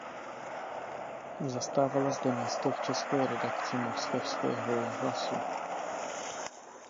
Zastávala zde místo v české redakci moskevského rozhlasu.